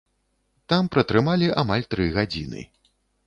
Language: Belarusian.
Там пратрымалі амаль тры гадзіны.